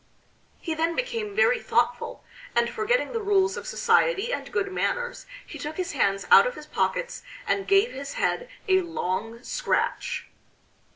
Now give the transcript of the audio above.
He then became very thoughtful, and forgetting the rules of society and good manners he took his hands out of his pockets and gave his head a long scratch.